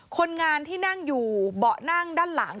คนงานที่นั่งอยู่เบาะนั่งด้านหลัง